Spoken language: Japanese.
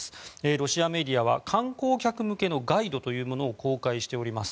ロシアメディアは観光客向けのガイドというものを公開しております。